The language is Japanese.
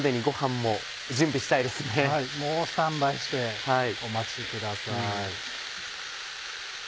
もうスタンバイしてお待ちください。